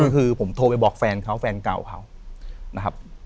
คือผมโทรไปบอกแฟนเขาแฟนเก่าเขานะครับ